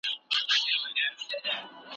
ذهن د معلوماتو یو پیاوړی مرکز دی.